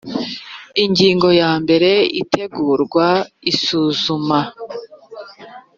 ingingo ya mbere itegurwa isuzumwa